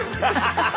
ハハハハ。